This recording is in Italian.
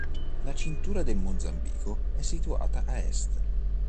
La cintura del Mozambico è situata a est.